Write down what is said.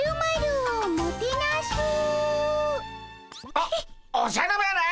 おおじゃる丸！